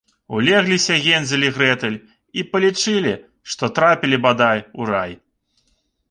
Улегліся Гензель і Грэтэль і палічылі, што трапілі, бадай, у рай